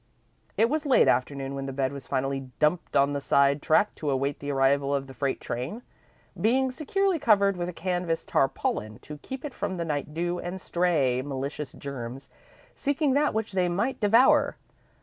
It was late afternoon when the bed was finally dumped on the side track to await the arrival of the freight train, being securely covered with a canvas tarpaulin to keep it from the night dew and stray, malicious germs, seeking that which they might devour.